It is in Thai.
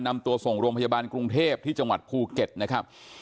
นำตัวส่งโรงพยาบาลกรุงเทพที่จังหวัดภูเก็ตนะครับ